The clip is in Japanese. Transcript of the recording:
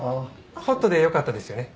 ホットでよかったですよね？